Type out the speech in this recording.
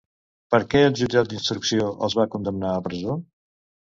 Per què el jutjat d'instrucció els va condemnar a presó?